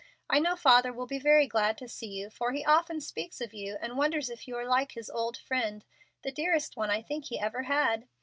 I know father will be very glad to see you, for he often speaks of you, and wonders if you are like his old friend, the dearest one, I think, he ever had.